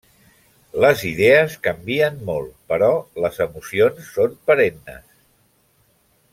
Les idees canvien molt, però les emocions són perennes.